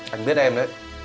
anh biết em đấy